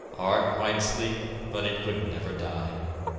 Art might sleep but it could never die.